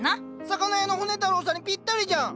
魚屋の骨太郎さんにぴったりじゃん！